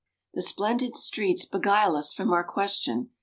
The splendid streets beguile us from our question.